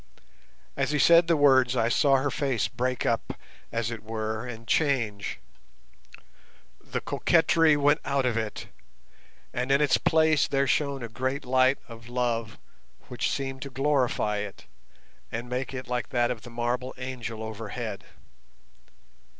As he said the words I saw her face break up, as it were, and change. The coquetry went out of it, and in its place there shone a great light of love which seemed to glorify it, and make it like that of the marble angel overhead.